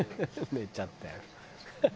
寝ちゃったよ」